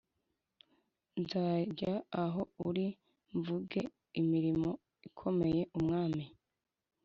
Nzajya aho uri mvuge imirimo ikomeye Umwami